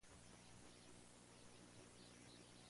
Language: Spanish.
Estos son: Flo, Vi, Ru.